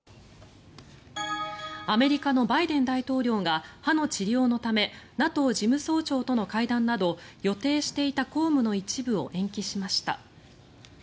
アメリカのバイデン大統領が歯の治療のためＮＡＴＯ事務総長との会談など予定していた公務の一部を延期しました。